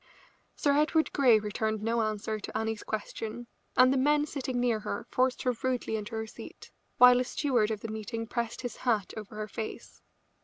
Sir Edward Grey returned no answer to Annie's question, and the men sitting near her forced her rudely into her seat, while a steward of the meeting pressed his hat over her face.